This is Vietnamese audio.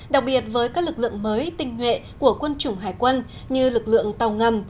đặc biệt với các lực lượng mới tinh nhuệ của quân chủng hải quân như lực lượng tàu ngầm